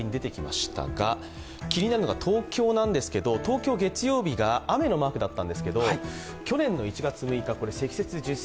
気になるのが東京なんですけど、月曜日が雨のマークだったんですが、去年の１月６日、積雪があった。